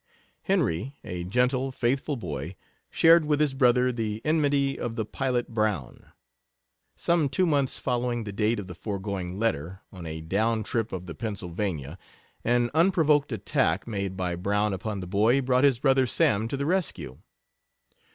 Henry, a gentle, faithful boy, shared with his brother the enmity of the pilot Brown. Some two months following the date of the foregoing letter, on a down trip of the Pennsylvania, an unprovoked attack made by Brown upon the boy brought his brother Sam to the rescue.